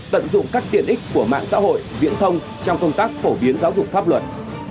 tận dụng các tiện ích của mạng xã hội viễn thông trong công tác phổ biến giáo dục pháp luật